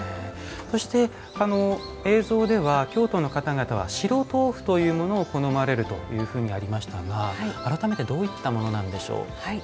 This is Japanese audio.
そして映像では京都の方々は白とうふというものを好まれるというふうにありましたが改めてどういったものなんでしょう？